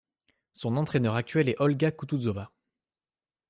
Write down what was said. Son entraîneur actuel est Olga Kutuzova.